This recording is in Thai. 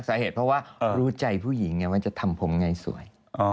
สาเหตุเพราะว่ารู้ใจผู้หญิงไงว่าจะทำผมไงสวย